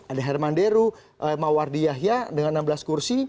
ada hermanderu mawardi yahya dengan enam belas kursi